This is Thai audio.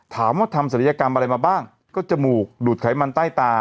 ทำศัลยกรรมอะไรมาบ้างก็จมูกดูดไขมันใต้ตา